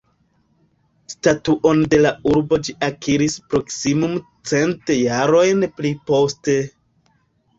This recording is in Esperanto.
Statuon de la urbo ĝi akiris proksimume cent jarojn pli poste.